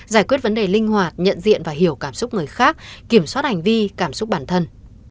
giải quyết vấn đề linh hoạt nhận diện và hiểu cảm xúc người khác kiểm soát hành vi cảm xúc bản thân